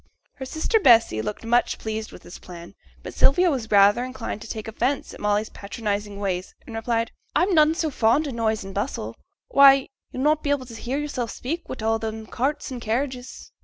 Her sister Bessy looked much pleased with this plan, but Sylvia was rather inclined to take offence at Molly's patronizing ways, and replied, 'I'm none so fond o' noise and bustle; why, yo'll not be able to hear yoursels speak wi' all them carts and carriages.